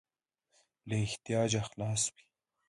له احتیاجه خلاص وي.